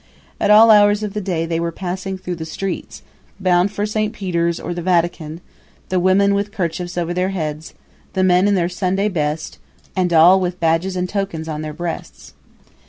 At all hours of the day they were passing through the streets, bound for Saint Peter's or the Vatican, the women with kerchiefs over their heads, the men in their Sunday best, and all with badges and tokens on their breasts.